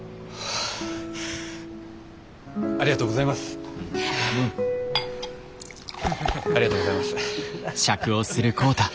ありがとうございます。